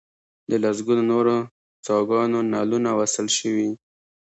د لسګونو نورو څاګانو نلونه وصل شوي.